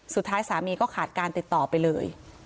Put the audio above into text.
สุดท้ายสามีก็ขาดการติดต่อไปเลย